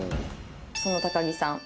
その高木さん。